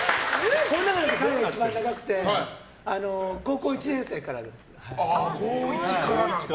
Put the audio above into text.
この中で彼が一番長くて高校１年生からです。